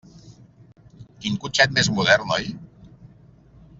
Quin cotxet més modern, oi?